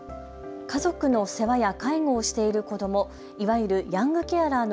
家族の世話や介護をしている子ども、いわゆるヤングケアラー